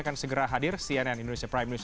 akan segera hadir cnn indonesia prime news